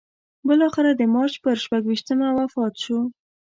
بالاخره د مارچ پر شپږویشتمه وفات شو.